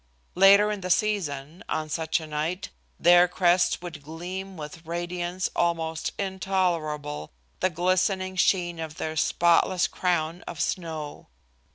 Later in the season, on such a night, their crests would gleam with radiance almost intolerable, the glistening sheen of their spotless crown of snow.